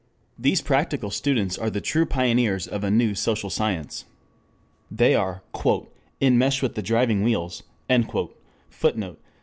These practical students are the true pioneers of a new social science. They are "in mesh with the driving wheels" [Footnote: Cf.